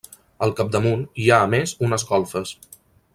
Al capdamunt, hi ha a més, unes golfes.